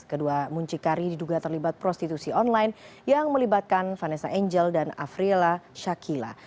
kedua muncikari diduga terlibat prostitusi online yang melibatkan vanessa angel dan afrila shakila